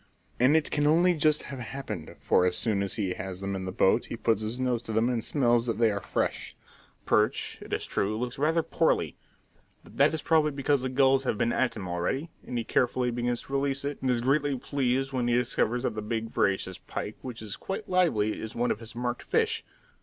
And it can only just have happened, for as soon as he has them in the boat he puts his nose to them and smells that they are fresh. The perch, it is true, looks rather poorly, but that is probably because the gulls have been at him already; and he carefully begins to release it, and is greatly pleased when he discovers that the big, voracious pike, which is quite lively, is one of his marked fish.